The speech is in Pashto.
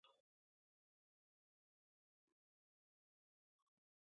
سوله د نړیوالې همکارۍ د پراختیا لپاره اړینه ده.